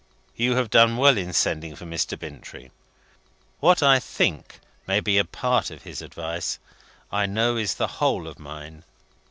You have done well in sending for Mr. Bintrey. What I think will be a part of his advice, I know is the whole of mine.